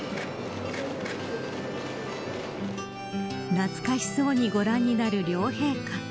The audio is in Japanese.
懐かしそうにご覧になる両陛下。